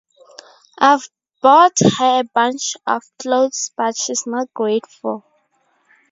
'I've bought her a bunch of clothes, but she's not grateful.